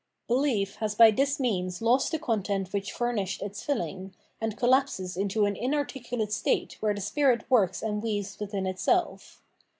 Belief has by this means lost the content which furnished its filling, and collapses into an inarticulate state where the spirit works and weaves within itself.